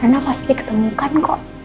renda pasti ketemu kan kok